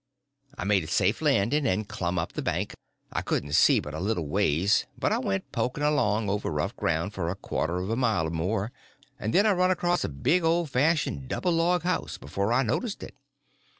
I made a safe landing, and clumb up the bank. I couldn't see but a little ways, but I went poking along over rough ground for a quarter of a mile or more, and then I run across a big old fashioned double log house before I noticed it.